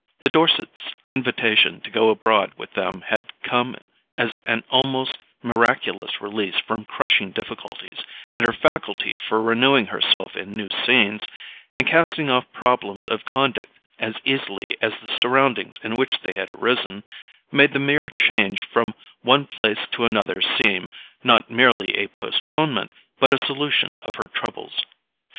The Dorsets' invitation to go abroad with them had come as an almost miraculous release from crushing difficulties; and her faculty for renewing herself in new scenes, and casting off problems of conduct as easily as the surroundings in which they had arisen, made the mere change from one place to another seem, not merely a postponement, but a solution of her troubles.